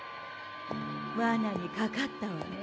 わなにかかったわね。